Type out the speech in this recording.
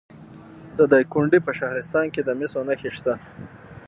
د دایکنډي په شهرستان کې د مسو نښې شته.